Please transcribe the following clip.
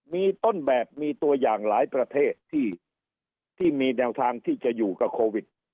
มีต้นแบบมีตัวอย่างหลายประเทศที่มีแนวทางที่จะอยู่กับโควิด